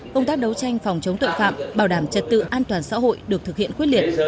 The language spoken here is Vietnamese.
công tác đấu tranh phòng chống tội phạm bảo đảm trật tự an toàn xã hội được thực hiện quyết liệt